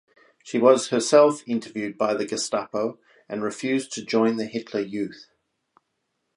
She was herself interviewed by the Gestapo and refused to join the Hitler Youth.